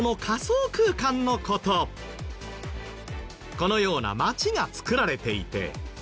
このような街が作られていて。